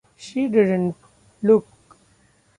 She didn’t look.